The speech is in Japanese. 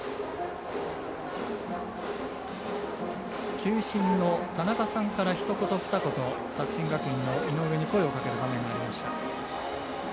球審の田中さんからひと言ふた言、作新学院の井上に声をかける場面がありました。